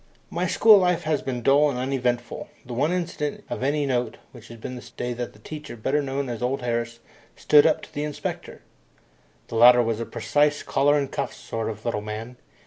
My school life had been dull and uneventful. The one incident of any note had been the day that the teacher, better known as old Harris, "stood up" to the inspector. The latter was a precise, collar and cuffs sort of little man.